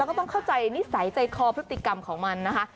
ก็ต้องเข้าใจนิสัยใจคอพฤติกรรมของมันนะคะ